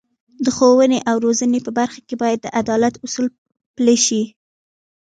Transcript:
د ښوونې او روزنې په برخه کې باید د عدالت اصول پلي شي.